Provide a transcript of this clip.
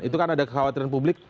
itu kan ada kekhawatiran publik